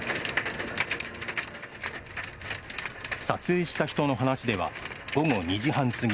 撮影した人の話では午後２時半過ぎ